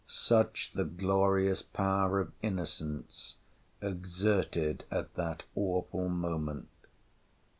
—such the glorious power of innocence exerted at that awful moment!